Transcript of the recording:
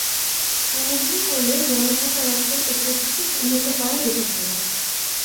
Imaging করলে জমে থাকা রক্তের উপস্থিতি চিহ্নিত করা যেতে পারে।